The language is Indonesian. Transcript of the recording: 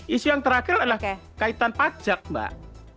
isu yang terakhir adalah kaitan pajak mbak